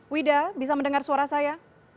wida bisa mendengar suara saya